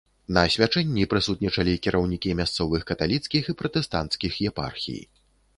На асвячэнні прысутнічалі кіраўнікі мясцовых каталіцкіх і пратэстанцкіх епархій.